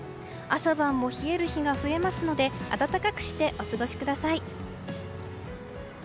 朝晩も冷える日が増えますので温かくしてお過ごしください。